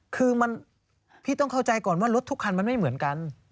คือพี่ต้องเข้าใจก่อนว่ารถทุกคันมันไม่เหมือนกัน